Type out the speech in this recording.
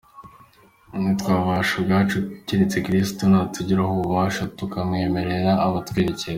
Ntitwabibasha ubwacu, keretse Kristo natugiraho ububasha tukamwemerera akatwerekera.